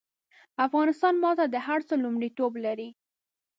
افغانستان ماته د هر څه لومړيتوب لري